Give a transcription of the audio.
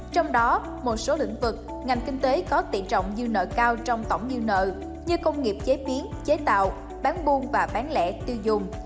trong đó một số lĩnh vực ngành kinh tế có tỷ trọng dư nợ cao trong tổng dư nợ như công nghiệp chế biến chế tạo bán buôn và bán lẻ tiêu dùng